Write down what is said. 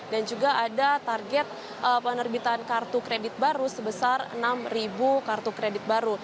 dan juga ada target penerbitan kartu kredit baru sebesar enam kartu kredit baru